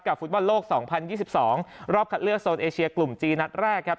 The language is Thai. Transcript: ฟุตบอลโลก๒๐๒๒รอบคัดเลือกโซนเอเชียกลุ่มจีนนัดแรกครับ